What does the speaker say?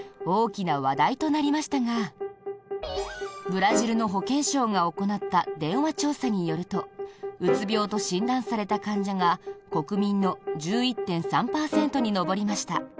ブラジルの保健省が行った電話調査によるとうつ病と診断された患者が国民の１１．３％に上りました。